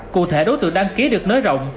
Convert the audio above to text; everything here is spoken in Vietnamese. cụ thể đối tượng đăng ký được nới rộng